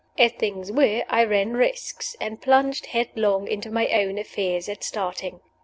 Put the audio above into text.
As things were, I ran risks, and plunged headlong into my own affairs at starting.